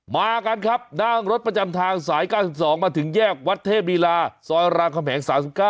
มากันครับนั่งรถประจำทางสาย๙๒มาถึงแยกวัดเทพลีลาซอยรามคำแหง๓๙